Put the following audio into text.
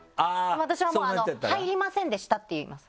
私はもう「入りませんでした」って言います。